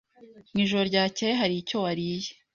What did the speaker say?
Mu ijoro ryakeye hari icyo wariye?